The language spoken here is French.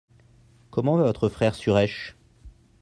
Comment va votre frère Suresh ?